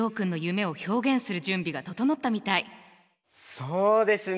そうですね。